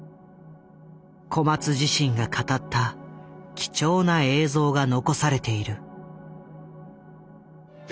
小松自身が語った貴重な映像が残されている。